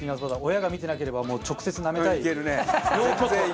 親が見てなければ直接なめたい両巨頭！